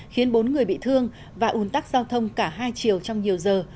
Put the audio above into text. khiến bốn người bị thương và ủn tắc giao thông cả hai chiều trong nhiều giờ